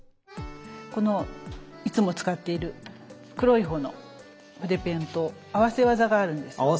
このいつも使っている黒い方の筆ペンと合わせ技があるんです。